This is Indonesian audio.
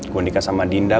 gue nikah sama dinda